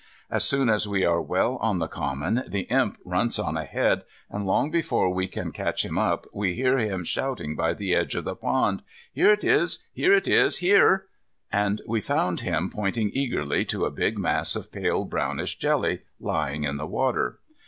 As soon as we are well on the common, the Imp runs on ahead, and long before we catch him up we hear him shouting by the edge of the pond, "Here it is. Here! Here!" And we find him pointing eagerly to a big mass of pale brownish jelly lying in the water.